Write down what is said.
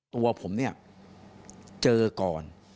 ตัวผมเจอก่อน